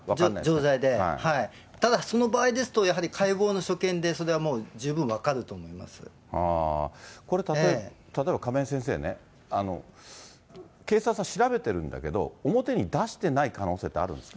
錠剤で、ただその場合ですと、やはり解剖の所見で、それはもう、これ、例えば亀井先生ね、警察は調べてるんだけど、表に出してない可能性ってあるんですか。